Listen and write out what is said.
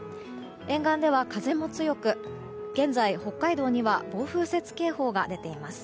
沿岸では風も強く現在、北海道には暴風雪警報が出ています。